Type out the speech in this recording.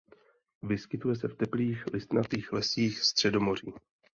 Vyskytuje se v teplých listnatých lesích Středomoří.